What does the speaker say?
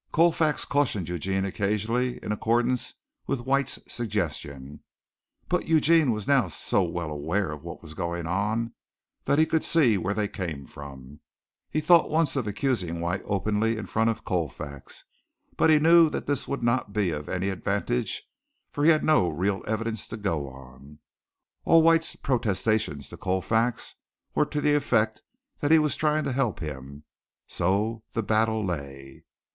Colfax cautioned Eugene occasionally in accordance with White's suggestions, but Eugene was now so well aware of what was going on that he could see where they came from. He thought once of accusing White openly in front of Colfax, but he knew that this would not be of any advantage for he had no real evidence to go on. All White's protestations to Colfax were to the effect that he was trying to help him. So the battle lay.